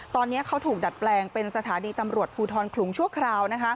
ตอนนี้เขาถูกดัดแปลงเป็นสถานีตำรวจภูทรคลุงชั่วคราว